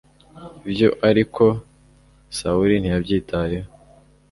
ibyo ariko sawuli ntiyabyitaho